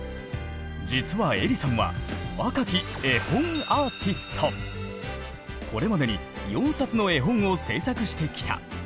実はえりさんは若きこれまでに４冊の絵本を制作してきた。